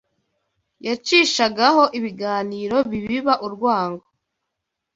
yacishagaho ibiganiro bibiba urwango